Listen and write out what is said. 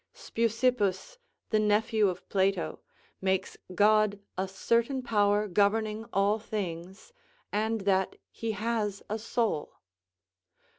Speusippus, the nephew of Plato, makes God a certain power governing all things, and that he has a soul.